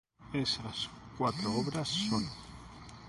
Esas cuatro obras son